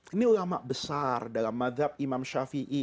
ini ulama besar dalam madhab imam shafi'i